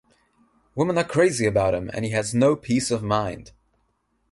Women are crazy about him, and he has no peace of mind.